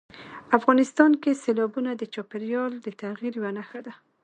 افغانستان کې سیلابونه د چاپېریال د تغیر یوه نښه ده.